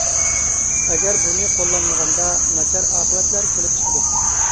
ئەگەر بۇنى قوللانمىغاندا، ناچار ئاقىۋەتلەر كېلىپ چىقىدۇ.